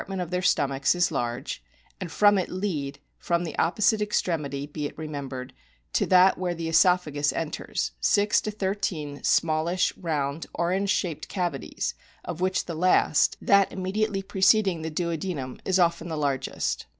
SOME INTERNAL STRUCTURES 63 of their stomachs is large, and from it lead from the opposite extremity, be it remembered, to that where the oesophagus enters 6 13 smallish, round, orange shaped cavities of which the last, that immediately preceding the duodenum, is often the largest.